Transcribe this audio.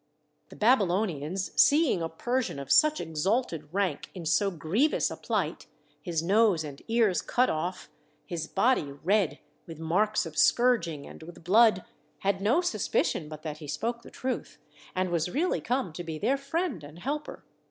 The Babylonians, seeing a Persian of such exalted rank in so grievous a plight, his nose and ears cut off, his body red with marks of scourging and with blood, had no suspicion but that he spoke the truth, and was really come to be their friend and helper.